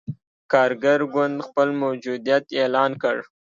کارګر ګوند خپل موجودیت اعلان کړ.